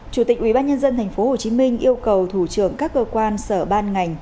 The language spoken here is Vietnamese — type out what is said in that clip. chủ tịch ubnd tp hcm yêu cầu thủ trưởng các cơ quan sở ban ngành